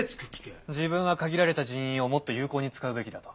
自分は限られた人員をもっと有効に使うべきだと。